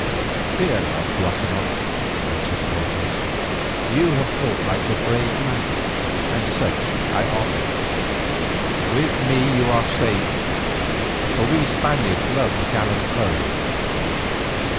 "Fear not, Guatemoc," answered Cortes. "You have fought like a brave man, and such I honour. With me you are safe, for we Spaniards love a gallant foe.